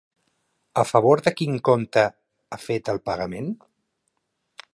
A favor de quin compte ha fet el pagament?